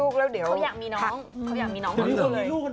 ใครอยากมีน้องหลังเลย